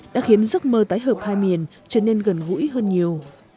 đã khiến giấc mơ tái hợp hai miền trở nên gần gũi hơn nhiều